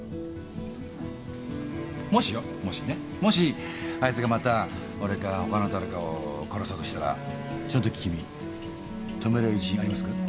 もしよもしねもしあいつがまた俺か他の誰かを殺そうとしたらそのとき君止めれる自信ありますか？